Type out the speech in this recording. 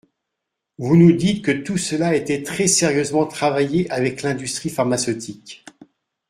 Vous nous dites que tout cela a été très sérieusement travaillé avec l’industrie pharmaceutique.